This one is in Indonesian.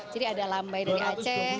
jadi ada lambai dari aceh